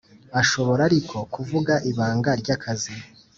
Ashobora ariko kuvuga ibanga ry akazi